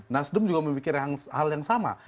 nasdem juga memikirkan hal yang sama